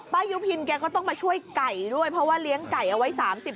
ยุพินแกก็ต้องมาช่วยไก่ด้วยเพราะว่าเลี้ยงไก่เอาไว้๓๐